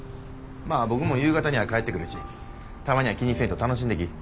まあ僕も夕方には帰ってくるしたまには気にせんと楽しんできい。